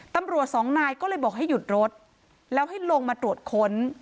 ตำรวจสองนายก็เลยบอกให้หยุดรถแล้วให้ลงมาตรวจค้น